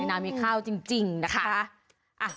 น้ำมีข้าวจริงนะคะ